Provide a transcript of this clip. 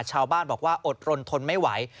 ชาวบ้านบอกว่าอดรนทนไม่ไหว